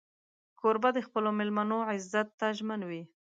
کوربه د خپلو مېلمنو عزت ته ژمن وي.